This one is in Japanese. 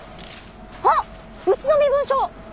あっうちの身分証！